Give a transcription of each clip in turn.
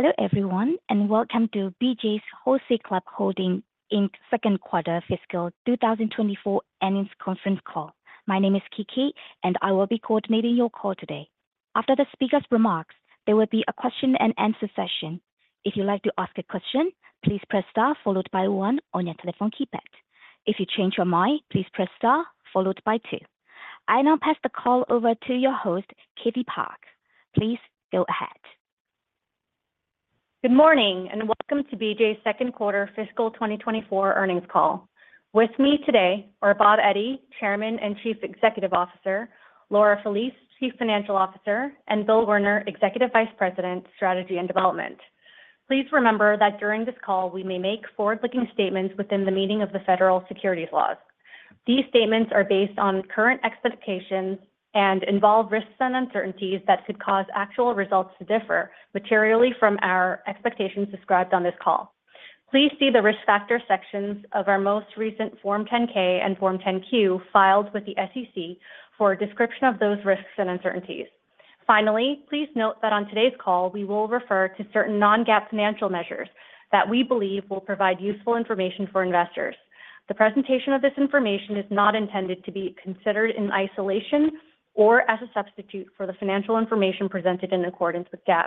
Hello everyone, and welcome to BJ's Wholesale Club Holdings, Inc.'s second quarter fiscal 2024 earnings conference call. My name is Kiki, and I will be coordinating your call today. After the speaker's remarks, there will be a question and answer session. If you'd like to ask a question, please press star followed by one on your telephone keypad. If you change your mind, please press star followed by two. I now pass the call over to your host, Katie Park. Please go ahead. Good morning, and welcome to BJ's second quarter fiscal 2024 earnings call. With me today are Bob Eddy, Chairman and Chief Executive Officer, Laura Felice, Chief Financial Officer, and Bill Warner, Executive Vice President, Strategy and Development. Please remember that during this call, we may make forward-looking statements within the meaning of the federal securities laws. These statements are based on current expectations and involve risks and uncertainties that could cause actual results to differ materially from our expectations described on this call. Please see the Risk Factor sections of our most recent Form 10-K and Form 10-Q filed with the SEC for a description of those risks and uncertainties. Finally, please note that on today's call, we will refer to certain non-GAAP financial measures that we believe will provide useful information for investors. The presentation of this information is not intended to be considered in isolation or as a substitute for the financial information presented in accordance with GAAP.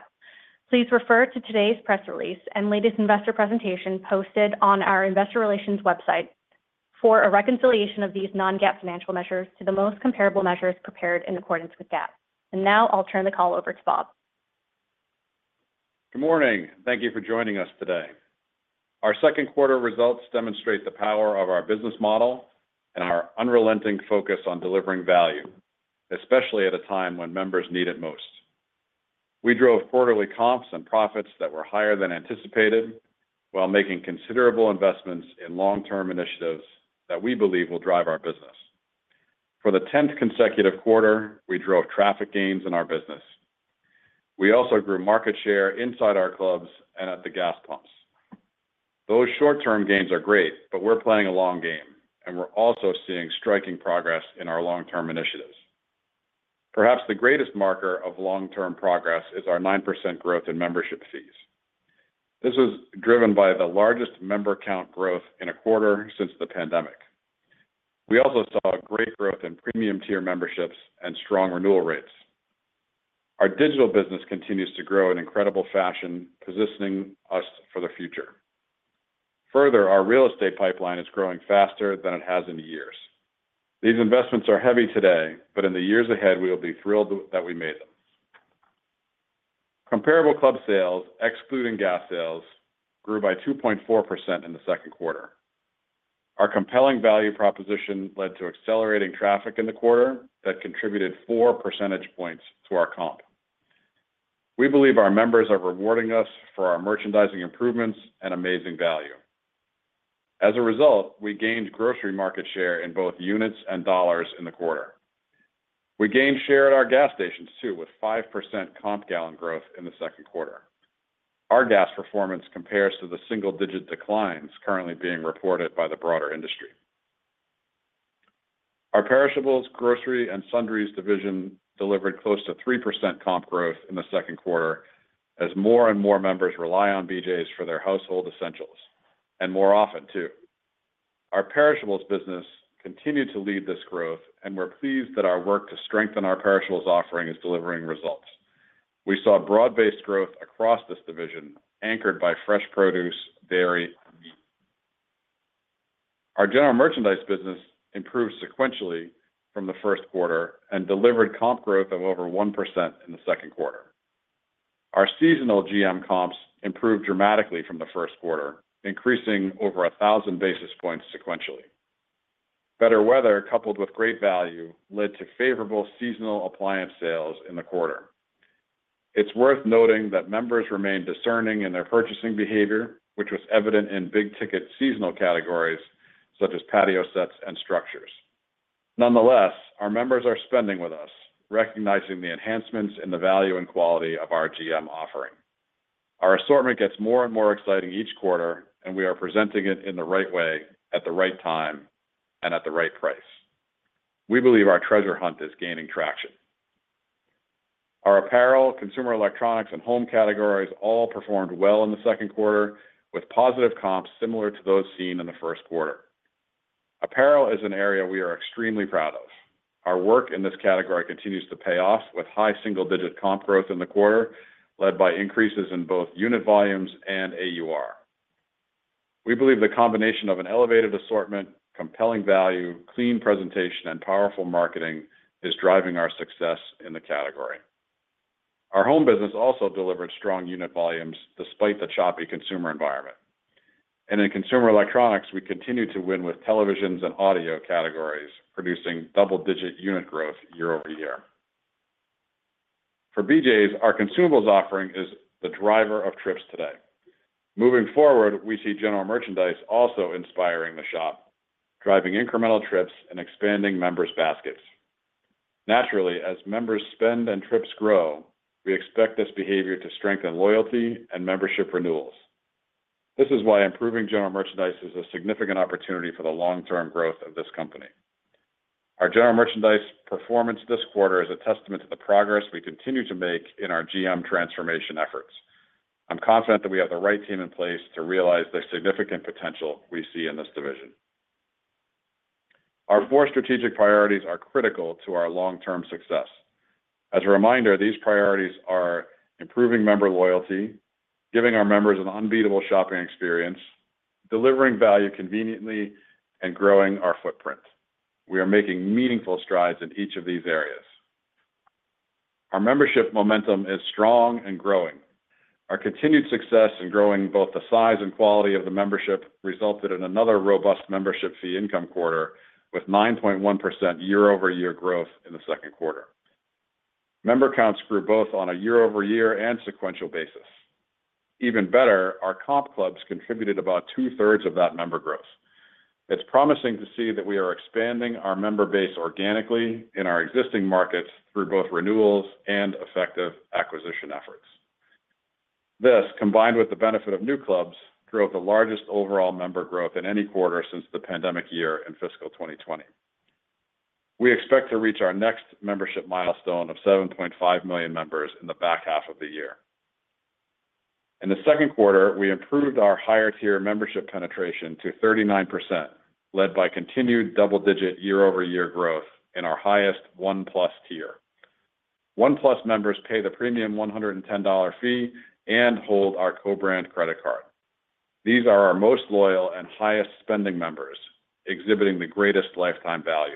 Please refer to today's press release and latest investor presentation posted on our investor relations website for a reconciliation of these non-GAAP financial measures to the most comparable measures prepared in accordance with GAAP. And now I'll turn the call over to Bob. Good morning. Thank you for joining us today. Our second quarter results demonstrate the power of our business model and our unrelenting focus on delivering value, especially at a time when members need it most. We drove quarterly comps and profits that were higher than anticipated, while making considerable investments in long-term initiatives that we believe will drive our business. For the tenth consecutive quarter, we drove traffic gains in our business. We also grew market share inside our clubs and at the gas pumps. Those short-term gains are great, but we're playing a long game, and we're also seeing striking progress in our long-term initiatives. Perhaps the greatest marker of long-term progress is our 9% growth in membership fees. This is driven by the largest member count growth in a quarter since the pandemic. We also saw great growth in premium tier memberships and strong renewal rates. Our digital business continues to grow in incredible fashion, positioning us for the future. Further, our real estate pipeline is growing faster than it has in years. These investments are heavy today, but in the years ahead, we will be thrilled that we made them. Comparable club sales, excluding gas sales, grew by 2.4% in the second quarter. Our compelling value proposition led to accelerating traffic in the quarter that contributed four percentage points to our comp. We believe our members are rewarding us for our merchandising improvements and amazing value. As a result, we gained grocery market share in both units and dollars in the quarter. We gained share at our gas stations, too, with 5% comp gallon growth in the second quarter. Our gas performance compares to the single-digit declines currently being reported by the broader industry. Our perishables, grocery, and sundries division delivered close to 3% comp growth in the second quarter as more and more members rely on BJ's for their household essentials, and more often, too. Our perishables business continued to lead this growth, and we're pleased that our work to strengthen our perishables offering is delivering results. We saw broad-based growth across this division, anchored by fresh produce, dairy, and meat. Our general merchandise business improved sequentially from the first quarter and delivered comp growth of over 1% in the second quarter. Our seasonal GM comps improved dramatically from the first quarter, increasing over 1000 basis points sequentially. Better weather, coupled with great value, led to favorable seasonal appliance sales in the quarter. It's worth noting that members remained discerning in their purchasing behavior, which was evident in big-ticket seasonal categories such as patio sets and structures. Nonetheless, our members are spending with us, recognizing the enhancements in the value and quality of our GM offering. Our assortment gets more and more exciting each quarter, and we are presenting it in the right way, at the right time, and at the right price. We believe our treasure hunt is gaining traction. Our apparel, consumer electronics, and home categories all performed well in the second quarter, with positive comps similar to those seen in the first quarter. Apparel is an area we are extremely proud of. Our work in this category continues to pay off, with high single-digit comp growth in the quarter, led by increases in both unit volumes and AUR. We believe the combination of an elevated assortment, compelling value, clean presentation, and powerful marketing is driving our success in the category. Our home business also delivered strong unit volumes despite the choppy consumer environment. In consumer electronics, we continue to win with televisions and audio categories, producing double-digit unit growth year over year. For BJ's, our consumables offering is the driver of trips today. Moving forward, we see general merchandise also inspiring the shop, driving incremental trips and expanding members' baskets. Naturally, as members spend and trips grow, we expect this behavior to strengthen loyalty and membership renewals. This is why improving general merchandise is a significant opportunity for the long-term growth of this company. Our general merchandise performance this quarter is a testament to the progress we continue to make in our GM transformation efforts. I'm confident that we have the right team in place to realize the significant potential we see in this division. Our four strategic priorities are critical to our long-term success. As a reminder, these priorities are improving member loyalty, giving our members an unbeatable shopping experience, delivering value conveniently, and growing our footprint. We are making meaningful strides in each of these areas. Our membership momentum is strong and growing. Our continued success in growing both the size and quality of the membership resulted in another robust membership fee income quarter, with 9.1% year-over-year growth in the second quarter. Member counts grew both on a year-over-year and sequential basis. Even better, our comp clubs contributed about two-thirds of that member growth. It's promising to see that we are expanding our member base organically in our existing markets through both renewals and effective acquisition efforts. This, combined with the benefit of new clubs, drove the largest overall member growth in any quarter since the pandemic year in fiscal 2020. We expect to reach our next membership milestone of 7.5 million members in the back half of the year. In the second quarter, we improved our higher-tier membership penetration to 39%, led by continued double-digit year-over-year growth in our highest One+ tier. One+ members pay the premium $110 fee and hold our co-brand credit card. These are our most loyal and highest spending members, exhibiting the greatest lifetime value.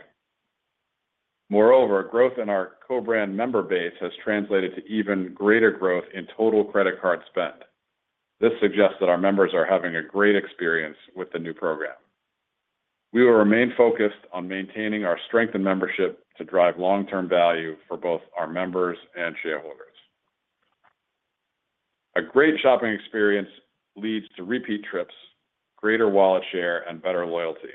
Moreover, growth in our co-brand member base has translated to even greater growth in total credit card spend. This suggests that our members are having a great experience with the new program. We will remain focused on maintaining our strength in membership to drive long-term value for both our members and shareholders. A great shopping experience leads to repeat trips, greater wallet share, and better loyalty.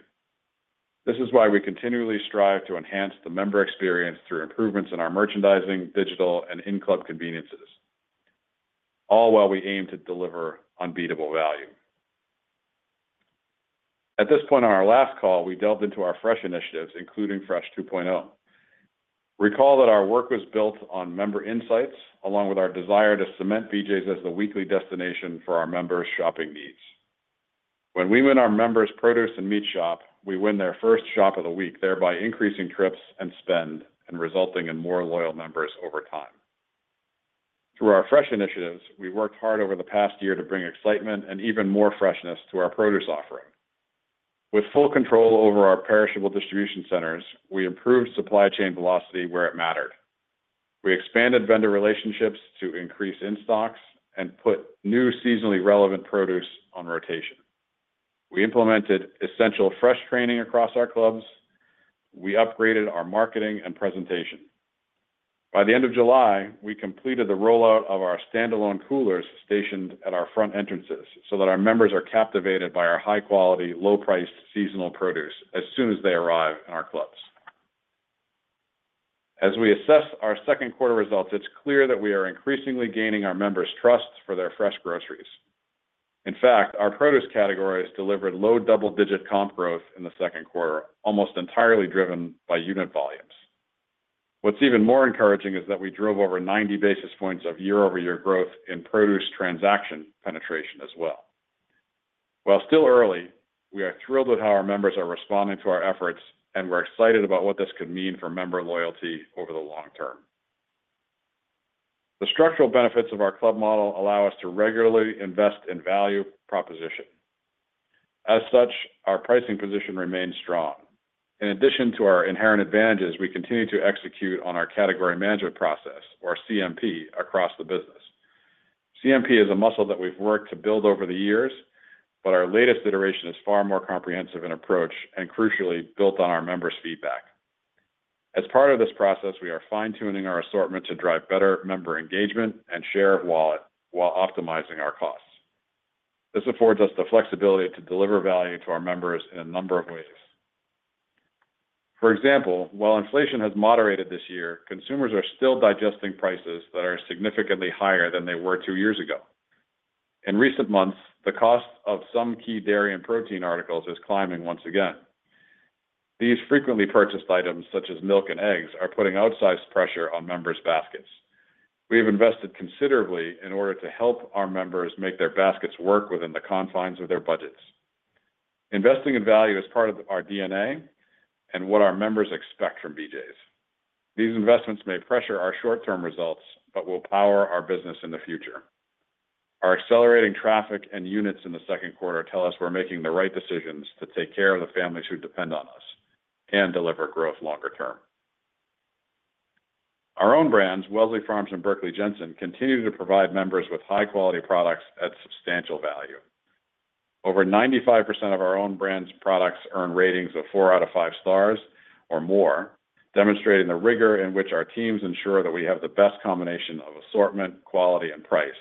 This is why we continually strive to enhance the member experience through improvements in our merchandising, digital, and in-club conveniences, all while we aim to deliver unbeatable value. At this point on our last call, we delved into our fresh initiatives, including Fresh 2.0. Recall that our work was built on member insights, along with our desire to cement BJ's as the weekly destination for our members' shopping needs. When we win our members' produce and meat shop, we win their first shop of the week, thereby increasing trips and spend, and resulting in more loyal members over time. Through our fresh initiatives, we worked hard over the past year to bring excitement and even more freshness to our produce offering. With full control over our perishable distribution centers, we improved supply chain velocity where it mattered. We expanded vendor relationships to increase in-stocks and put new seasonally relevant produce on rotation. We implemented essential fresh training across our clubs. We upgraded our marketing and presentation. By the end of July, we completed the rollout of our standalone coolers stationed at our front entrances, so that our members are captivated by our high-quality, low-priced, seasonal produce as soon as they arrive in our clubs. As we assess our second quarter results, it's clear that we are increasingly gaining our members' trust for their fresh groceries. In fact, our produce category has delivered low double-digit comp growth in the second quarter, almost entirely driven by unit volumes. What's even more encouraging is that we drove over 90 basis points of year-over-year growth in produce transaction penetration as well. While still early, we are thrilled with how our members are responding to our efforts, and we're excited about what this could mean for member loyalty over the long term. The structural benefits of our club model allow us to regularly invest in value proposition. As such, our pricing position remains strong. In addition to our inherent advantages, we continue to execute on our category management process, or CMP, across the business. CMP is a muscle that we've worked to build over the years, but our latest iteration is far more comprehensive in approach and, crucially, built on our members' feedback. As part of this process, we are fine-tuning our assortment to drive better member engagement and share of wallet while optimizing our costs. This affords us the flexibility to deliver value to our members in a number of ways. For example, while inflation has moderated this year, consumers are still digesting prices that are significantly higher than they were two years ago. In recent months, the cost of some key dairy and protein articles is climbing once again. These frequently purchased items, such as milk and eggs, are putting outsized pressure on members' baskets. We have invested considerably in order to help our members make their baskets work within the confines of their budgets. Investing in value is part of our DNA and what our members expect from BJ's. These investments may pressure our short-term results, but will power our business in the future. Our accelerating traffic and units in the second quarter tell us we're making the right decisions to take care of the families who depend on us and deliver growth longer term. Our own brands, Wellsley Farms and Berkley Jensen, continue to provide members with high-quality products at substantial value. Over 95% of our own brands' products earn ratings of four out of five stars or more, demonstrating the rigor in which our teams ensure that we have the best combination of assortment, quality, and price,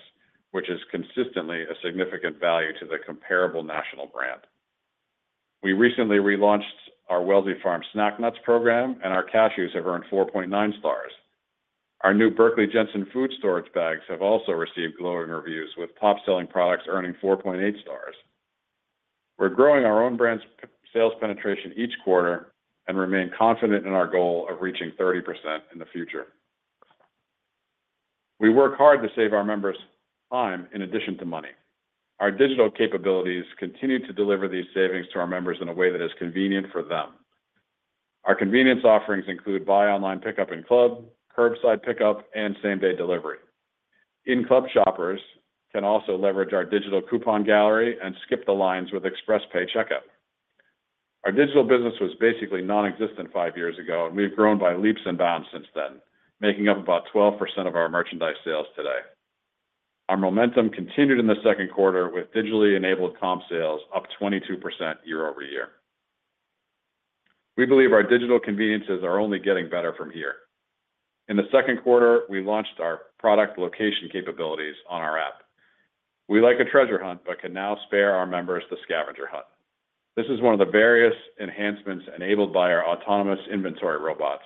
which is consistently a significant value to the comparable national brand. We recently relaunched our Wellsley Farms Snack Nuts program, and our cashews have earned 4.9 stars. Our new Berkley Jensen food storage bags have also received glowing reviews, with top-selling products earning 4.8 stars... We're growing our own brand's sales penetration each quarter and remain confident in our goal of reaching 30% in the future. We work hard to save our members time in addition to money. Our digital capabilities continue to deliver these savings to our members in a way that is convenient for them. Our convenience offerings include buy online, pickup in club, curbside pickup, and same-day delivery. In-club shoppers can also leverage our digital coupon gallery and skip the lines with ExpressPay checkout. Our digital business was basically non-existent five years ago, and we've grown by leaps and bounds since then, making up about 12% of our merchandise sales today. Our momentum continued in the second quarter with digitally enabled comp sales up 22% year over year. We believe our digital conveniences are only getting better from here. In the second quarter, we launched our product location capabilities on our app. We like a treasure hunt, but can now spare our members the scavenger hunt. This is one of the various enhancements enabled by our autonomous inventory robots,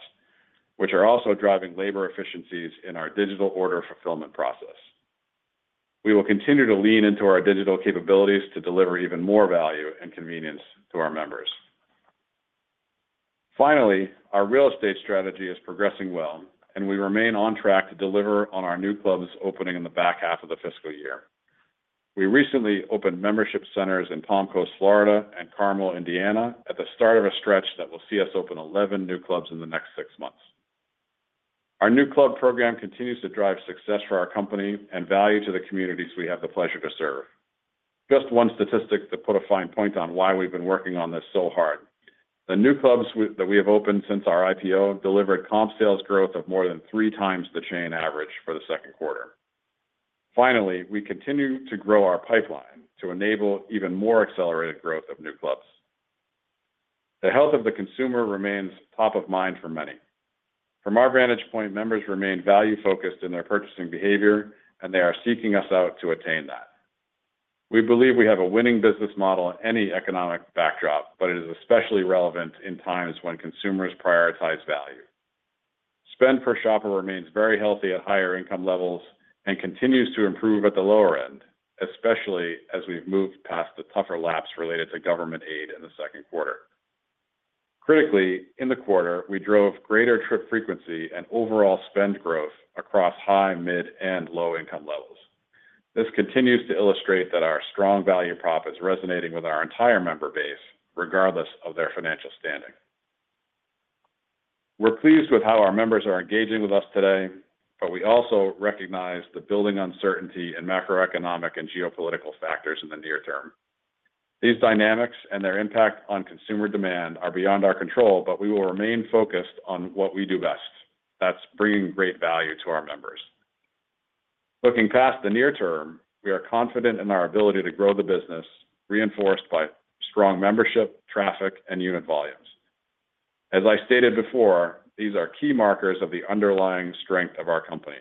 which are also driving labor efficiencies in our digital order fulfillment process. We will continue to lean into our digital capabilities to deliver even more value and convenience to our members. Finally, our real estate strategy is progressing well, and we remain on track to deliver on our new clubs opening in the back half of the fiscal year. We recently opened membership centers in Palm Coast, Florida and Carmel, Indiana, at the start of a stretch that will see us open 11 new clubs in the next six months. Our new club program continues to drive success for our company and value to the communities we have the pleasure to serve. Just one statistic to put a fine point on why we've been working on this so hard. The new clubs that we have opened since our IPO delivered comp sales growth of more than three times the chain average for the second quarter. Finally, we continue to grow our pipeline to enable even more accelerated growth of new clubs. The health of the consumer remains top of mind for many. From our vantage point, members remain value-focused in their purchasing behavior, and they are seeking us out to attain that. We believe we have a winning business model in any economic backdrop, but it is especially relevant in times when consumers prioritize value. Spend per shopper remains very healthy at higher income levels and continues to improve at the lower end, especially as we've moved past the tougher laps related to government aid in the second quarter. Critically, in the quarter, we drove greater trip frequency and overall spend growth across high, mid, and low-income levels. This continues to illustrate that our strong value prop is resonating with our entire member base, regardless of their financial standing. We're pleased with how our members are engaging with us today, but we also recognize the building uncertainty in macroeconomic and geopolitical factors in the near term. These dynamics and their impact on consumer demand are beyond our control, but we will remain focused on what we do best. That's bringing great value to our members. Looking past the near term, we are confident in our ability to grow the business, reinforced by strong membership, traffic, and unit volumes. As I stated before, these are key markers of the underlying strength of our company.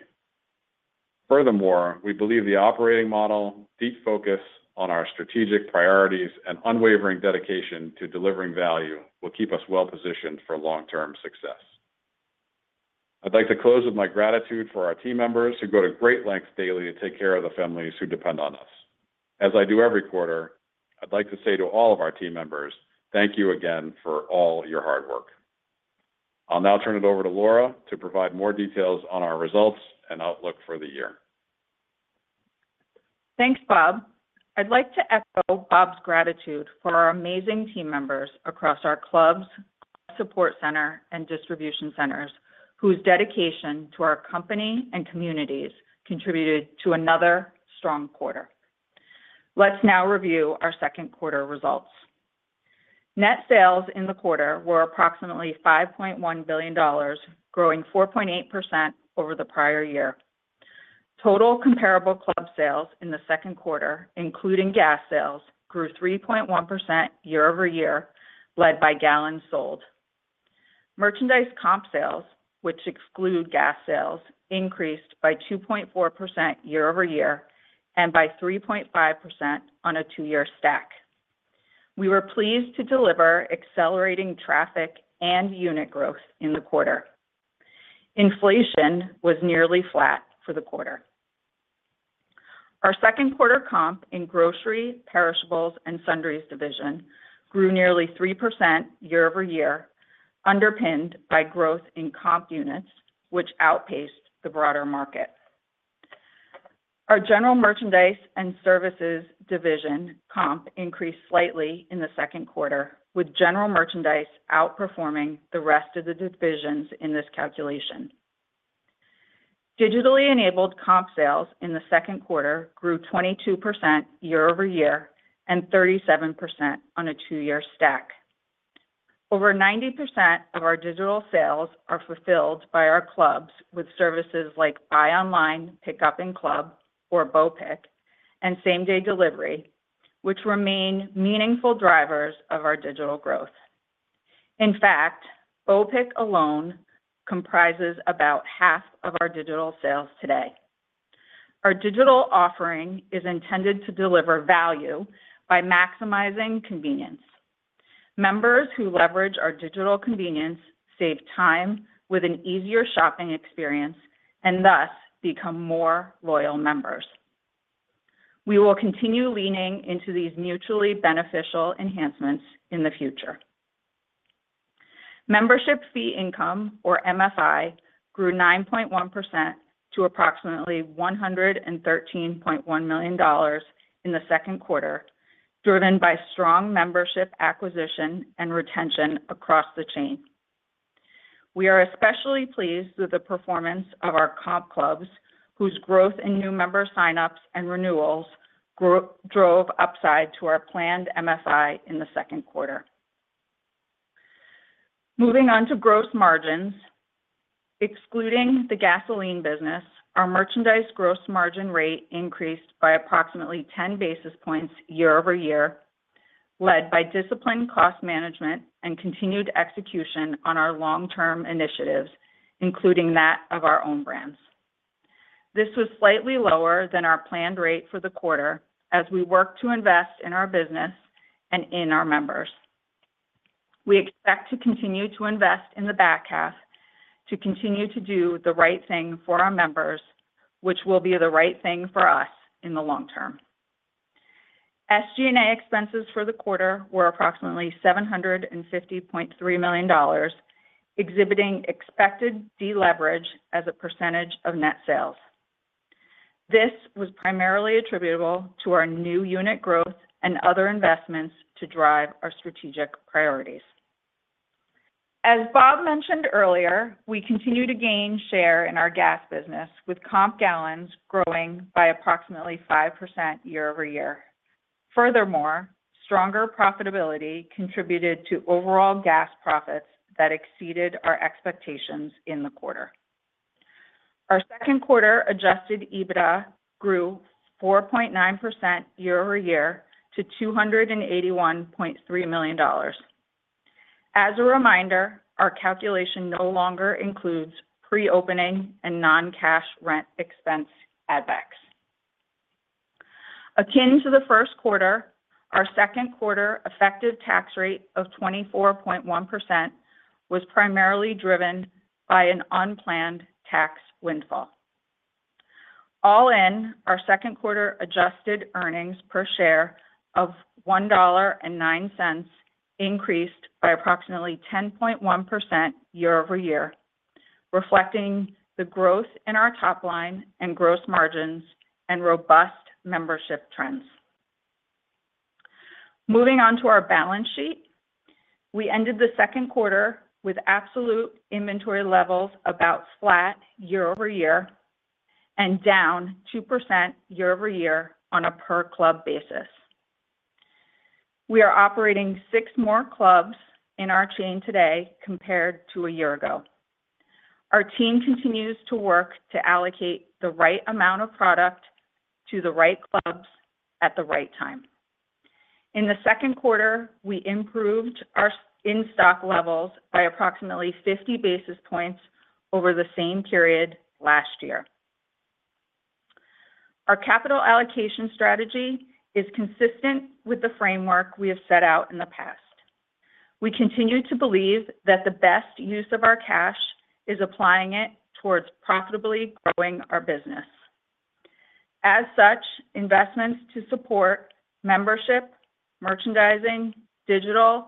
Furthermore, we believe the operating model, deep focus on our strategic priorities, and unwavering dedication to delivering value will keep us well positioned for long-term success. I'd like to close with my gratitude for our team members who go to great lengths daily to take care of the families who depend on us. As I do every quarter, I'd like to say to all of our team members, thank you again for all your hard work. I'll now turn it over to Laura to provide more details on our results and outlook for the year. Thanks, Bob. I'd like to echo Bob's gratitude for our amazing team members across our clubs, support center, and distribution centers, whose dedication to our company and communities contributed to another strong quarter. Let's now review our second quarter results. Net sales in the quarter were approximately $5.1 billion, growing 4.8% over the prior year. Total comparable club sales in the second quarter, including gas sales, grew 3.1% year over year, led by gallons sold. Merchandise comp sales, which exclude gas sales, increased by 2.4% year over year and by 3.5% on a two-year stack. We were pleased to deliver accelerating traffic and unit growth in the quarter. Inflation was nearly flat for the quarter. Our second quarter comp in grocery, perishables, and sundries division grew nearly 3% year over year, underpinned by growth in comp units, which outpaced the broader market. Our general merchandise and services division comp increased slightly in the second quarter, with general merchandise outperforming the rest of the divisions in this calculation. Digitally enabled comp sales in the second quarter grew 22% year over year and 37% on a two-year stack. Over 90% of our digital sales are fulfilled by our clubs with services like buy online, pickup in club or BOPIC, and same-day delivery, which remain meaningful drivers of our digital growth. In fact, BOPIC alone comprises about half of our digital sales today. Our digital offering is intended to deliver value by maximizing convenience. Members who leverage our digital convenience save time with an easier shopping experience, and thus become more loyal members. We will continue leaning into these mutually beneficial enhancements in the future. Membership fee income, or MFI, grew 9.1% to approximately $113.1 million in the second quarter, driven by strong membership acquisition and retention across the chain. We are especially pleased with the performance of our comp clubs, whose growth in new member sign-ups and renewals drove upside to our planned MFI in the second quarter. Moving on to gross margins. Excluding the gasoline business, our merchandise gross margin rate increased by approximately 10 basis points year-over-year, led by disciplined cost management and continued execution on our long-term initiatives, including that of our own brands. This was slightly lower than our planned rate for the quarter as we work to invest in our business and in our members. We expect to continue to invest in the back half to continue to do the right thing for our members, which will be the right thing for us in the long term. SG&A expenses for the quarter were approximately $750.3 million, exhibiting expected deleverage as a percentage of net sales. This was primarily attributable to our new unit growth and other investments to drive our strategic priorities. As Bob mentioned earlier, we continue to gain share in our gas business, with comp gallons growing by approximately 5% year over year. Furthermore, stronger profitability contributed to overall gas profits that exceeded our expectations in the quarter. Our second quarter adjusted EBITDA grew 4.9% year over year to $281.3 million. As a reminder, our calculation no longer includes pre-opening and non-cash rent expense add backs. Turning to the second quarter, our second quarter effective tax rate of 24.1% was primarily driven by an unplanned tax windfall. All in, our second quarter adjusted earnings per share of $1.09 increased by approximately 10.1% year over year, reflecting the growth in our top line and gross margins and robust membership trends. Moving on to our balance sheet, we ended the second quarter with absolute inventory levels about flat year over year and down 2% year over year on a per-club basis. We are operating six more clubs in our chain today compared to a year ago. Our team continues to work to allocate the right amount of product to the right clubs at the right time. In the second quarter, we improved our in-stock levels by approximately fifty basis points over the same period last year. Our capital allocation strategy is consistent with the framework we have set out in the past. We continue to believe that the best use of our cash is applying it towards profitably growing our business. As such, investments to support membership, merchandising, digital,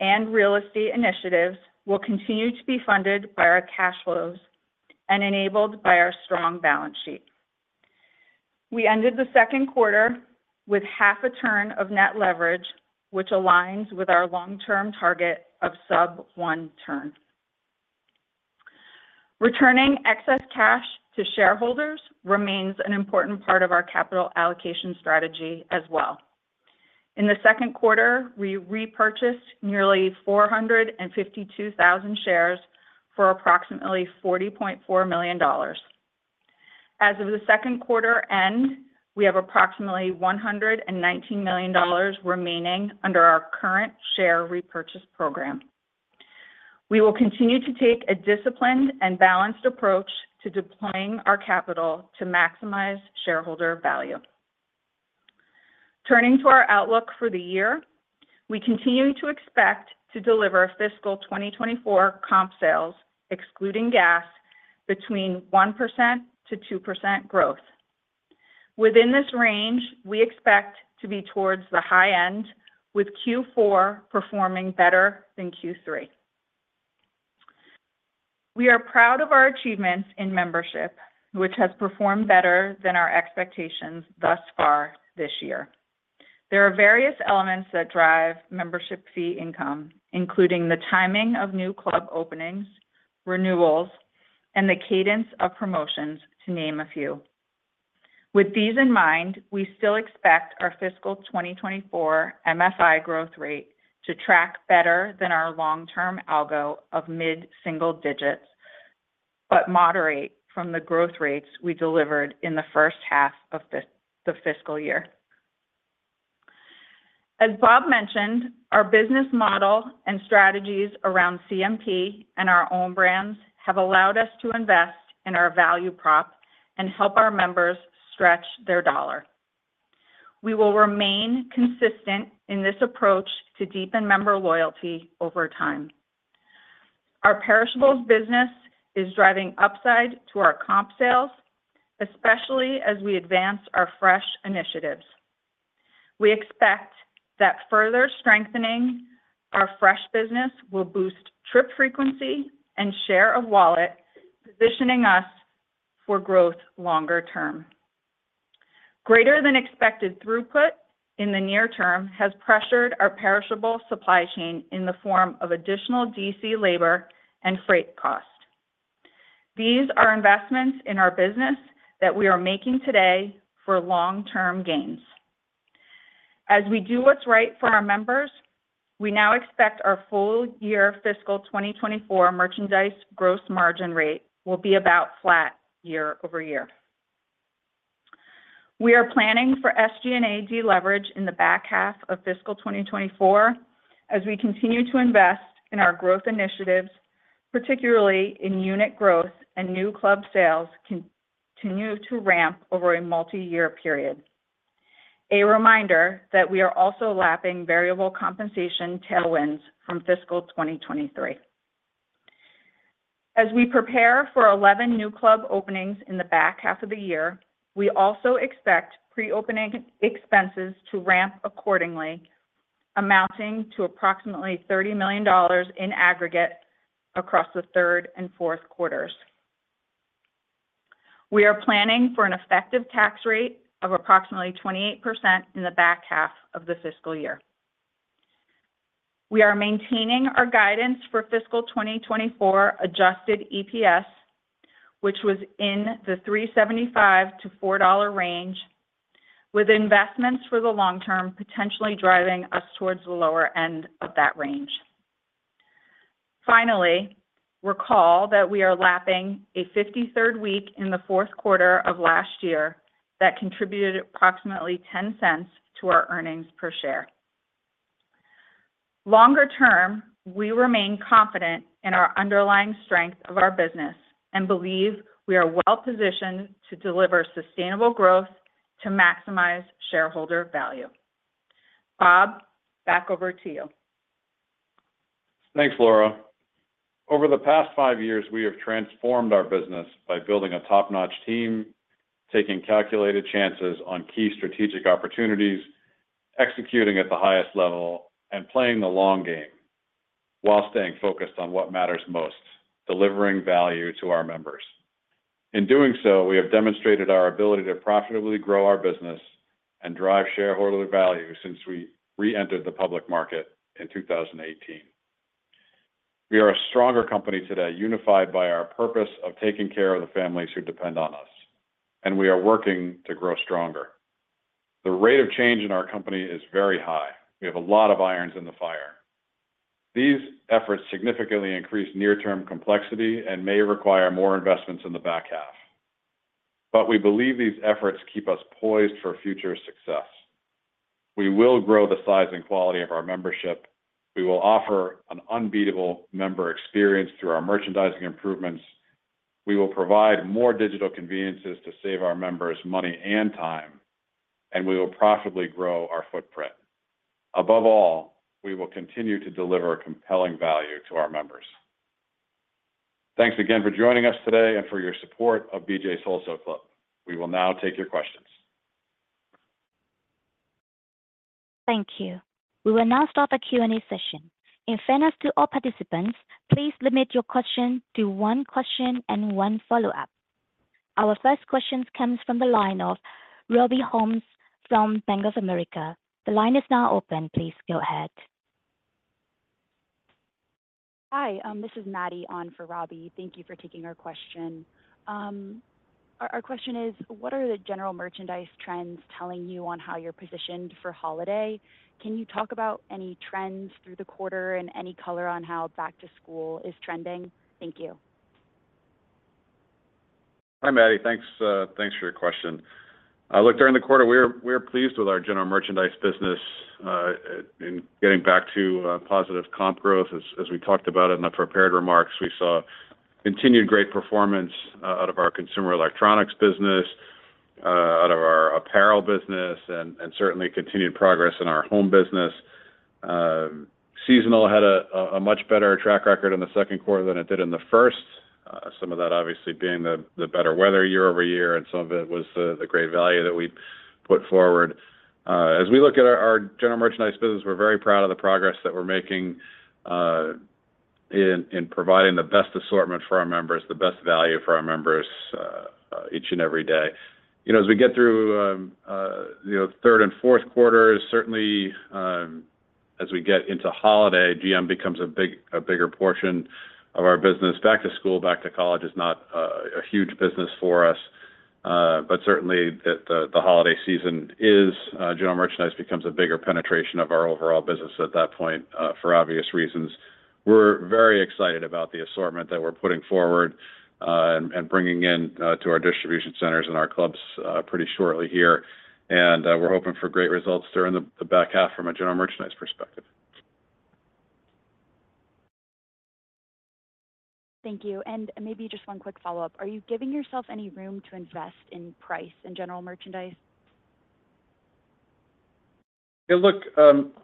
and real estate initiatives will continue to be funded by our cash flows and enabled by our strong balance sheet. We ended the second quarter with half a turn of net leverage, which aligns with our long-term target of sub one turn. Returning excess cash to shareholders remains an important part of our capital allocation strategy as well. In the second quarter, we repurchased nearly 452,000 shares for approximately $40.4 million. As of the second quarter end, we have approximately $119 million remaining under our current share repurchase program. We will continue to take a disciplined and balanced approach to deploying our capital to maximize shareholder value. Turning to our outlook for the year, we continue to expect to deliver fiscal 2024 comp sales, excluding gas, between 1% to 2% growth. Within this range, we expect to be towards the high end, with Q4 performing better than Q3. We are proud of our achievements in membership, which has performed better than our expectations thus far this year. There are various elements that drive membership fee income, including the timing of new club openings, renewals, and the cadence of promotions, to name a few. With these in mind, we still expect our fiscal 2024 MFI growth rate to track better than our long-term algo of mid-single digits, but moderate from the growth rates we delivered in the first half of the fiscal year. As Bob mentioned, our business model and strategies around CMP and our own brands have allowed us to invest in our value proposition and help our members stretch their dollar. We will remain consistent in this approach to deepen member loyalty over time. Our perishables business is driving upside to our comp sales, especially as we advance our fresh initiatives. We expect that further strengthening our fresh business will boost trip frequency and share of wallet, positioning us for growth longer term. Greater than expected throughput in the near term has pressured our perishable supply chain in the form of additional DC labor and freight cost. These are investments in our business that we are making today for long-term gains. As we do what's right for our members, we now expect our full year fiscal 2024 merchandise gross margin rate will be about flat year over year. We are planning for SG&A deleverage in the back half of fiscal 2024, as we continue to invest in our growth initiatives, particularly in unit growth and new club sales, continue to ramp over a multi-year period. A reminder that we are also lapping variable compensation tailwinds from fiscal 2023. As we prepare for 11 new club openings in the back half of the year, we also expect pre-opening expenses to ramp accordingly, amounting to approximately $30 million in aggregate across the third and fourth quarters. We are planning for an effective tax rate of approximately 28% in the back half of the fiscal year. We are maintaining our guidance for fiscal 2024 adjusted EPS, which was in the $3.75-$4 range, with investments for the long term potentially driving us towards the lower end of that range. Finally, recall that we are lapping a fifty-third week in the fourth quarter of last year that contributed approximately $0.10 to our earnings per share. Longer term, we remain confident in our underlying strength of our business and believe we are well-positioned to deliver sustainable growth to maximize shareholder value. Bob, back over to you. Thanks, Laura. Over the past five years, we have transformed our business by building a top-notch team, taking calculated chances on key strategic opportunities, executing at the highest level, and playing the long game while staying focused on what matters most, delivering value to our members. In doing so, we have demonstrated our ability to profitably grow our business and drive shareholder value since we reentered the public market in 2018. We are a stronger company today, unified by our purpose of taking care of the families who depend on us, and we are working to grow stronger. The rate of change in our company is very high. We have a lot of irons in the fire. These efforts significantly increase near-term complexity and may require more investments in the back half, but we believe these efforts keep us poised for future success. We will grow the size and quality of our membership. We will offer an unbeatable member experience through our merchandising improvements. We will provide more digital conveniences to save our members money and time, and we will profitably grow our footprint. Above all, we will continue to deliver compelling value to our members. Thanks again for joining us today and for your support of BJ's Wholesale Club. We will now take your questions. Thank you. We will now start the Q&A session. In fairness to all participants, please limit your question to one question and one follow-up. Our first question comes from the line of Robbie Ohmes from Bank of America. The line is now open. Please go ahead. Hi, this is Maddie on for Robbie. Thank you for taking our question. Our question is, what are the general merchandise trends telling you on how you're positioned for holiday? Can you talk about any trends through the quarter and any color on how back to school is trending? Thank you. Hi, Maddie. Thanks, thanks for your question. Look, during the quarter, we're pleased with our general merchandise business in getting back to positive comp growth. As we talked about in the prepared remarks, we saw continued great performance out of our consumer electronics business out of our apparel business, and certainly continued progress in our home business. Seasonal had a much better track record in the second quarter than it did in the first. Some of that obviously being the better weather year over year, and some of it was the great value that we'd put forward. As we look at our general merchandise business, we're very proud of the progress that we're making in providing the best assortment for our members, the best value for our members each and every day. You know, as we get through, you know, third and fourth quarters, certainly, as we get into holiday, GM becomes a bigger portion of our business. Back to school, back to college is not a huge business for us, but certainly, the holiday season is, general merchandise becomes a bigger penetration of our overall business at that point for obvious reasons. We're very excited about the assortment that we're putting forward and bringing in to our distribution centers and our clubs pretty shortly here. We're hoping for great results during the back half from a general merchandise perspective. Thank you. And maybe just one quick follow-up. Are you giving yourself any room to invest in price and general merchandise? Yeah, look,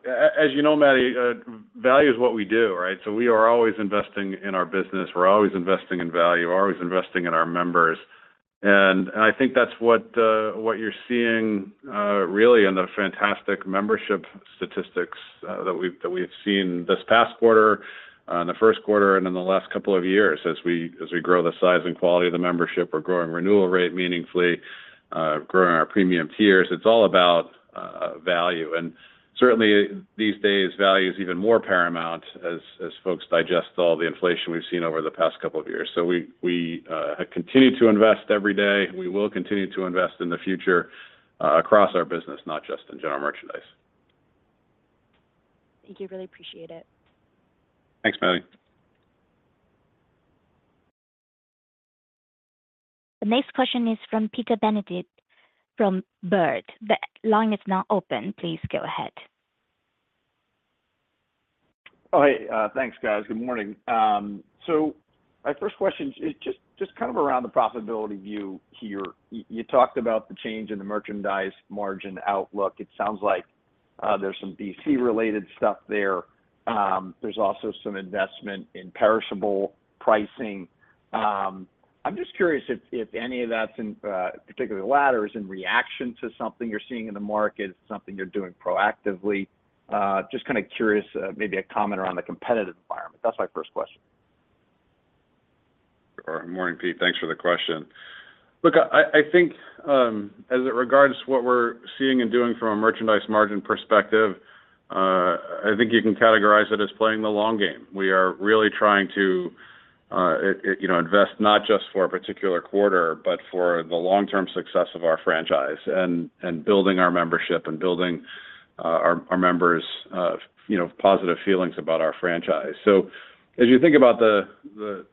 as you know, Maddie, value is what we do, right? So we are always investing in our business. We're always investing in value. We're always investing in our members. And I think that's what you're seeing really in the fantastic membership statistics that we've seen this past quarter in the first quarter and in the last couple of years. As we grow the size and quality of the membership, we're growing renewal rate meaningfully, growing our premium tiers. It's all about value. And certainly, these days, value is even more paramount as folks digest all the inflation we've seen over the past couple of years. So we continue to invest every day. We will continue to invest in the future across our business, not just in general merchandise. Thank you. Really appreciate it. Thanks, Maddie. The next question is from Peter Benedict from Baird. The line is now open. Please go ahead. Oh, hey, thanks, guys. Good morning. So my first question is just kind of around the profitability view here. You talked about the change in the merchandise margin outlook. It sounds like there's some DC-related stuff there. There's also some investment in perishable pricing. I'm just curious if any of that's in, particularly the latter, is in reaction to something you're seeing in the market, something you're doing proactively. Just kind of curious, maybe a comment around the competitive environment. That's my first question. Morning, Pete. Thanks for the question. Look, I think as it regards what we're seeing and doing from a merchandise margin perspective, I think you can categorize it as playing the long game. We are really trying to, you know, invest not just for a particular quarter, but for the long-term success of our franchise and building our membership and building our members', you know, positive feelings about our franchise. So as you think about the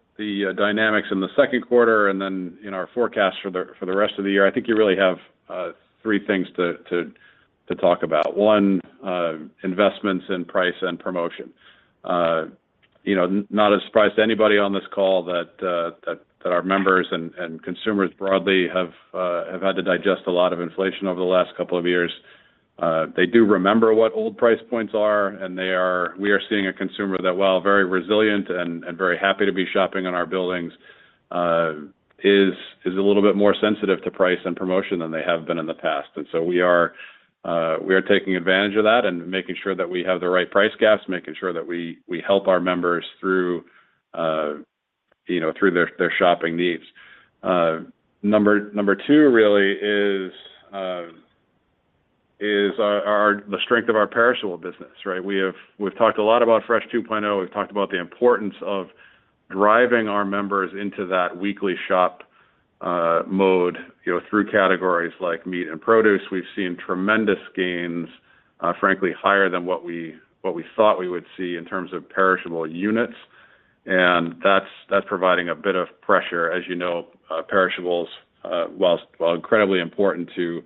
dynamics in the second quarter and then in our forecast for the rest of the year, I think you really have three things to talk about. One, investments in price and promotion. You know, not a surprise to anybody on this call that our members and consumers broadly have had to digest a lot of inflation over the last couple of years. They do remember what old price points are, and they are. We are seeing a consumer that, while very resilient and very happy to be shopping in our buildings, is a little bit more sensitive to price and promotion than they have been in the past. And so we are taking advantage of that and making sure that we have the right price gaps, making sure that we help our members through, you know, through their shopping needs. Number two really is the strength of our perishable business, right? We've talked a lot about Fresh 2.0. We've talked about the importance of driving our members into that weekly shop mode, you know, through categories like meat and produce. We've seen tremendous gains, frankly, higher than what we thought we would see in terms of perishable units, and that's providing a bit of pressure. As you know, perishables, while incredibly important to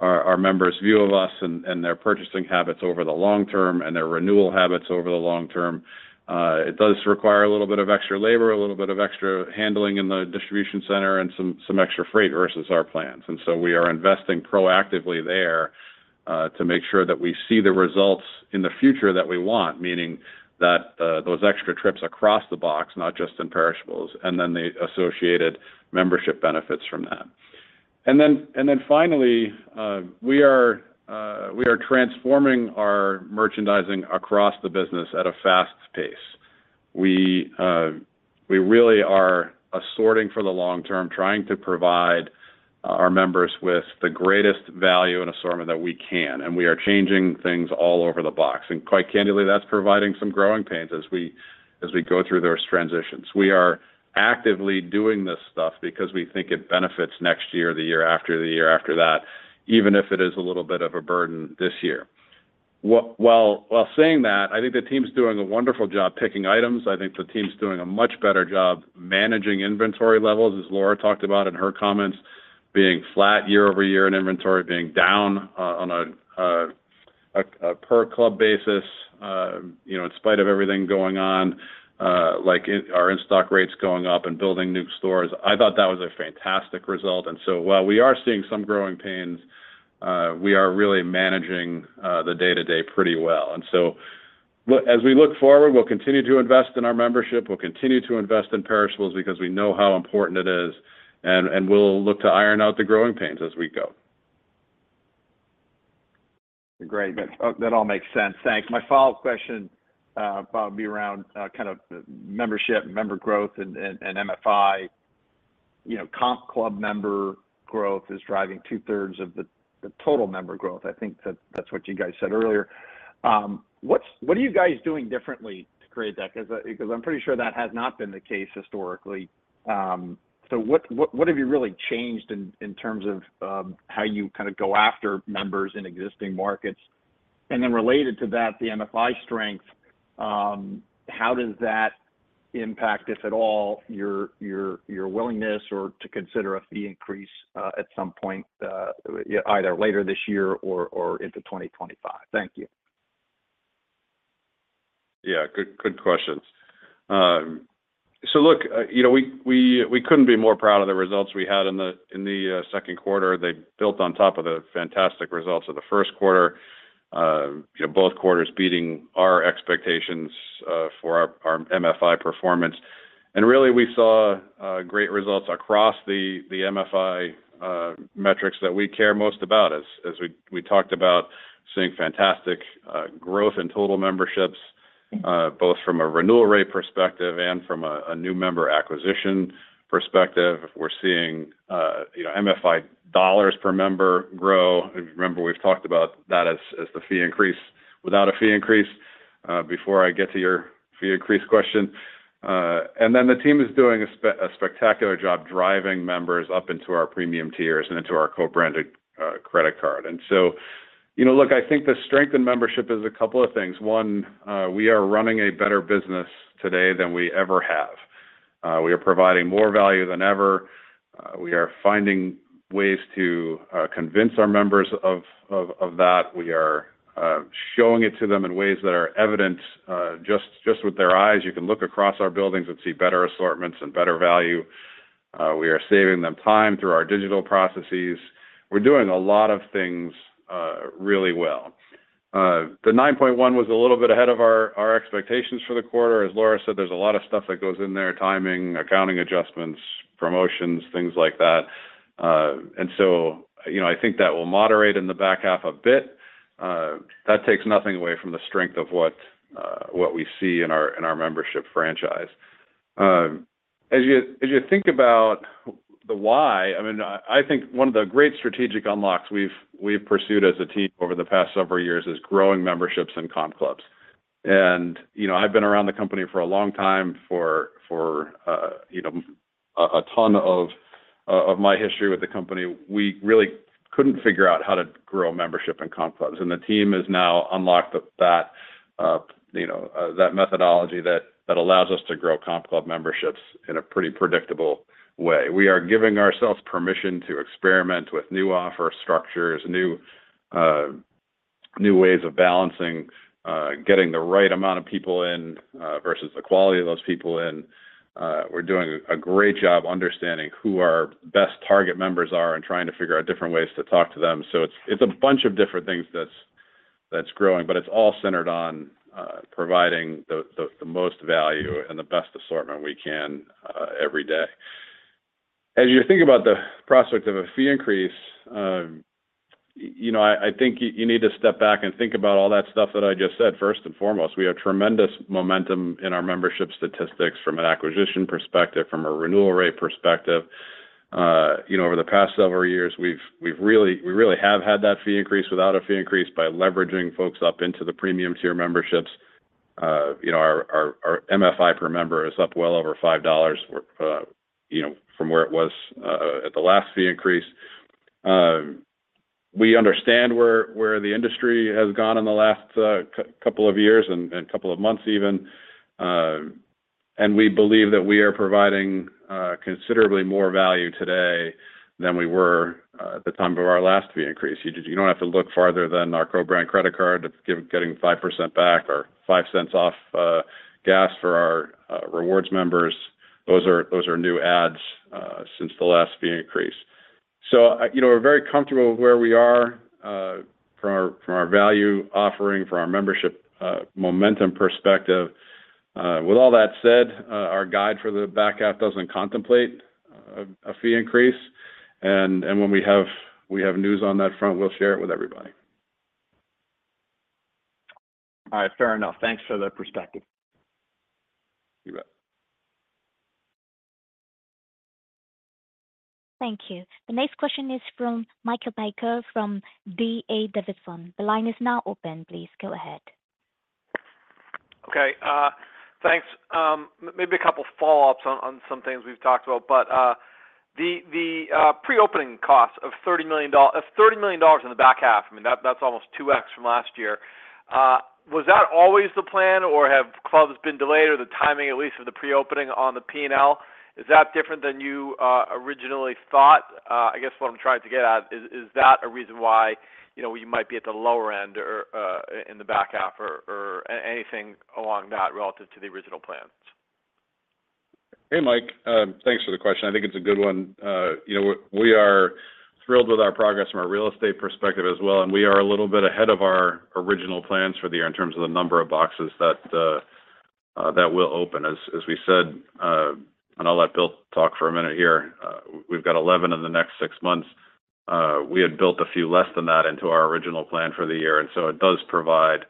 our members' view of us and their purchasing habits over the long term and their renewal habits over the long term, it does require a little bit of extra labor, a little bit of extra handling in the distribution center and some extra freight versus our plans. And so we are investing proactively there to make sure that we see the results in the future that we want, meaning that those extra trips across the box, not just in perishables, and then the associated membership benefits from that. And then finally we are transforming our merchandising across the business at a fast pace. We really are assorting for the long term, trying to provide our members with the greatest value and assortment that we can, and we are changing things all over the box. And quite candidly, that's providing some growing pains as we go through those transitions. We are actively doing this stuff because we think it benefits next year, the year after, the year after that, even if it is a little bit of a burden this year. While saying that, I think the team's doing a wonderful job picking items. I think the team's doing a much better job managing inventory levels, as Laura talked about in her comments, being flat year over year in inventory, being down on a per club basis, you know, in spite of everything going on, like our in-stock rates going up and building new stores. I thought that was a fantastic result. And so while we are seeing some growing pains, we are really managing the day-to-day pretty well. And so as we look forward, we'll continue to invest in our membership, we'll continue to invest in perishables because we know how important it is, and we'll look to iron out the growing pains as we go. Great. That all makes sense. Thanks. My follow-up question probably be around kind of membership, member growth and MFI. You know, comp club member growth is driving two-thirds of the total member growth. I think that's what you guys said earlier. What are you guys doing differently to create that? Because I'm pretty sure that has not been the case historically. So what have you really changed in terms of how you kind of go after members in existing markets? And then related to that, the MFI strength, how does that impact, if at all, your willingness or to consider a fee increase at some point, either later this year or into 2025? Thank you. Yeah, good, good questions. So look, you know, we couldn't be more proud of the results we had in the second quarter. They built on top of the fantastic results of the first quarter. You know, both quarters beating our expectations for our MFI performance. And really, we saw great results across the MFI metrics that we care most about. As we talked about seeing fantastic growth in total memberships both from a renewal rate perspective and from a new member acquisition perspective. We're seeing, you know, MFI dollars per member grow. If you remember, we've talked about that as the fee increase-- without a fee increase before I get to your fee increase question. And then the team is doing a spectacular job driving members up into our premium tiers and into our co-branded credit card. And so, you know, look, I think the strength in membership is a couple of things. One, we are running a better business today than we ever have. We are providing more value than ever. We are finding ways to convince our members of that. We are showing it to them in ways that are evident, just with their eyes. You can look across our buildings and see better assortments and better value. We are saving them time through our digital processes. We're doing a lot of things really well. The 9.1 was a little bit ahead of our expectations for the quarter. As Laura said, there's a lot of stuff that goes in there, timing, accounting adjustments, promotions, things like that, and so, you know, I think that will moderate in the back half a bit. That takes nothing away from the strength of what we see in our membership franchise. As you think about the why, I mean, I think one of the great strategic unlocks we've pursued as a team over the past several years is growing memberships in comp clubs. And, you know, I've been around the company for a long time. For a ton of my history with the company, we really couldn't figure out how to grow membership in comp clubs, and the team has now unlocked that, you know, that methodology that allows us to grow comp club memberships in a pretty predictable way. We are giving ourselves permission to experiment with new offer structures, new ways of balancing getting the right amount of people in versus the quality of those people in. We're doing a great job understanding who our best target members are and trying to figure out different ways to talk to them. So it's a bunch of different things that's growing, but it's all centered on providing the most value and the best assortment we can every day. As you think about the prospect of a fee increase, you know, I think you need to step back and think about all that stuff that I just said. First and foremost, we have tremendous momentum in our membership statistics from an acquisition perspective, from a renewal rate perspective. You know, over the past several years, we've really had that fee increase without a fee increase by leveraging folks up into the premium tier memberships. You know, our MFI per member is up well over $5 from where it was at the last fee increase. We understand where the industry has gone in the last couple of years and couple of months even. And we believe that we are providing considerably more value today than we were at the time of our last fee increase. You don't have to look farther than our co-brand credit card, getting 5% back or $0.05 off gas for our rewards members. Those are new adds since the last fee increase. So you know, we're very comfortable with where we are from our value offering, from our membership momentum perspective. With all that said, our guide for the back half doesn't contemplate a fee increase, and when we have news on that front, we'll share it with everybody. All right, fair enough. Thanks for the perspective. You bet. Thank you. The next question is from Michael Baker, from D.A. Davidson. The line is now open. Please go ahead. Okay, thanks. Maybe a couple follow-ups on some things we've talked about, but the pre-opening cost of $30 million in the back half, I mean, that's almost 2x from last year. Was that always the plan, or have clubs been delayed, or the timing, at least, of the pre-opening on the P&L? Is that different than you originally thought? I guess what I'm trying to get at is that a reason why, you know, you might be at the lower end or in the back half or anything along that relative to the original plans? Hey, Mike, thanks for the question. I think it's a good one. You know, we are thrilled with our progress from a real estate perspective as well, and we are a little bit ahead of our original plans for the year in terms of the number of boxes that we'll open. As we said, and I'll let Bill talk for a minute here. We've got 11 in the next six months. We had built a few less than that into our original plan for the year, and so it does provide